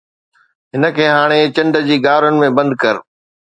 هن کي هاڻي چنڊ جي غارن ۾ بند ڪر